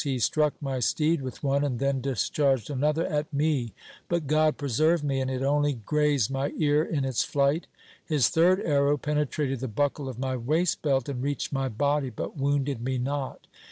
He struck my steed with one and then discharged another at me, but God preserved me and it only grazed my ear in its flight. His third arrow penetrated the buckle of my waist belt and reached my body, but wounded me not.